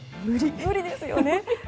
無理ですよね！